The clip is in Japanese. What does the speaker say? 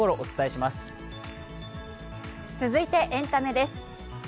続いてエンタメです。